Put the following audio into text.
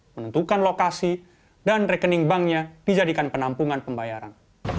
menentukan lokasi dan rekening banknya dijadikan penampungan pembayaran